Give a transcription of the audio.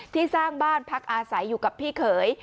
สร้างบ้านพักอาศัยอยู่กับพี่เขย